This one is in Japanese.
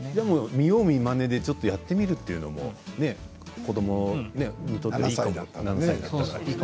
見よう見まねでやってみるというのも子どもにとっていいかもしれませんね。